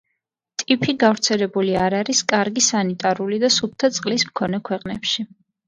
ტიფი გავრცელებული არ არის კარგი სანიტარული და სუფთა წყლის მქონე ქვეყნებში.